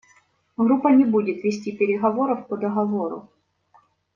Группа не будет вести переговоров по договору.